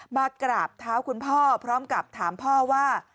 มากราบเท้าคุณพ่อพร้อมกับถามพ่อว่า